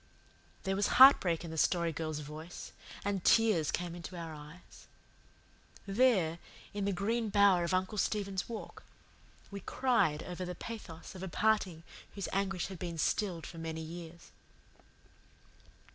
There was heartbreak in the Story Girl's voice and tears came into our eyes. There, in the green bower of Uncle Stephen's Walk, we cried over the pathos of a parting whose anguish had been stilled for many years.